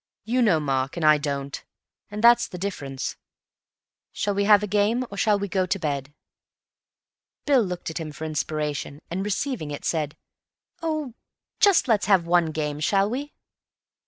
You know Mark, and I don't; and that's the difference. Shall we have a game or shall we go to bed?" Bill looked at him for inspiration, and, receiving it, said, "Oh, just let's have one game, shall we?"